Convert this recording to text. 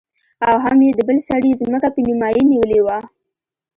او هم يې د بل سړي ځمکه په نيمايي نيولې وه.